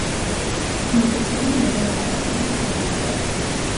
He’s a pretty little darling when he’s good.